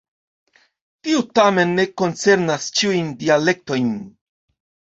Tio tamen ne koncernas ĉiujn dialektojn.